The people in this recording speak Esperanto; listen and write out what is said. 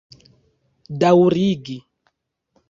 daŭrigi